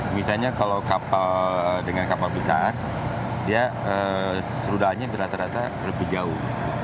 misalnya kalau kapal dengan kapal besar dia serudahannya rata rata lebih jauh